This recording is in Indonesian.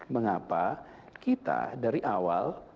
mengapa kita dari awal